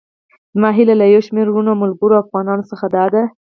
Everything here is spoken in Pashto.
زما هيله له يو شمېر وروڼو، ملګرو او افغانانو څخه داده.